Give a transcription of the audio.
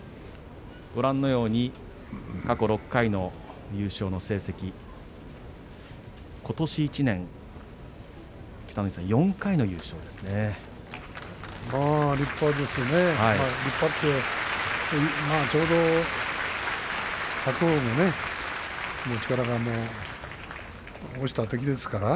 ご覧のように過去６回の優勝の成績ことし１年、北の富士さん立派ですね。